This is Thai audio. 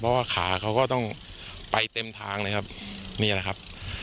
เพราะว่าขาเขาก็ต้องไปเต็มทางเลยครับนี่แหละครับ